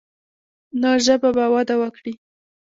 نو ژبه به وده وکړي.